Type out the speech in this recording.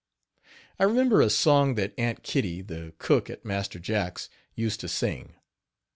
I remember a song that Aunt Kitty, the cook at Master Jack's, used to sing.